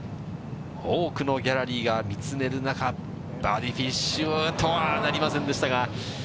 多くのギャラリーが見つめる中、バーディーフィニッシュとはなりませんでしたが。